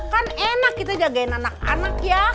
kan enak kita jagain anak anak ya